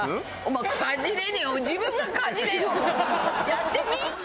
やってみ？